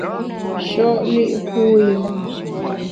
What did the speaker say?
Sho’ li’ puyùm !